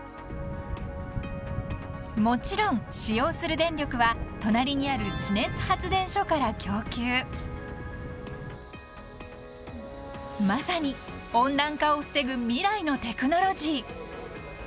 もちろん使用する電力は隣にある地熱発電所から供給まさに温暖化を防ぐ未来のテクノロジー。